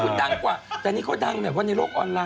คุณดังกว่าแต่นี่เขาดังแบบว่าในโลกออนไลน